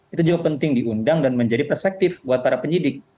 itu juga penting diundang dan menjadi perspektif buat para penyidik